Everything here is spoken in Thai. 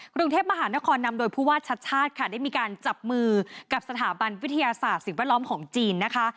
กรุงเทพมหานครนำโดยผู้ว่าชัดชาติค่ะได้มีการจับมือกับสถาบันวิทยาศาสตร์สิ่งแวดล้อมของจีนนะคะ